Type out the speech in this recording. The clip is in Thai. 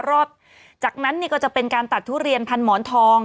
รอบจากนั้นนี่ก็จะเป็นการตัดทุเรียนพันหมอนทอง